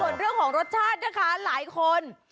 ส่วนเรื่องของรสชาตินะคะหลายคน